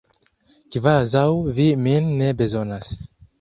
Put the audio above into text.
Kvazaŭ vi min ne bezonas.